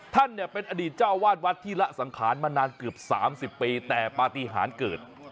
ท่านเนี่ยเป็นอดีตเจ้าวาดวัดที่ละสังขารมานานเกือบ๓๐ปีแต่ปฏิหารเกิด